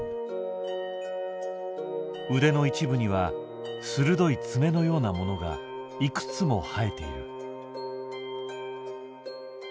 腕の一部には鋭い爪のようなものがいくつも生えている。